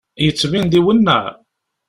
Yettbin-d iwenneɛ.